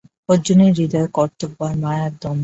অর্জুনের হৃদয়ে কর্তব্য আর মায়ার দ্বন্দ্ব।